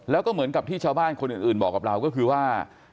แล้วก็เหมือนกับที่ชาวบ้านคนอื่นบอกกับเราก็คือว่า